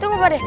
tunggu pak de